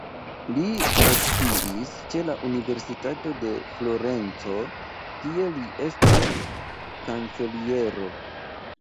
Li lekciis ĉe la Universitato de Florenco, kie li estas kanceliero.